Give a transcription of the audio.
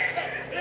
え！